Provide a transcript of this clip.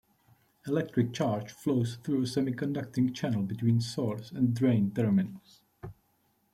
Electric charge flows through a semiconducting channel between "source" and "drain" terminals.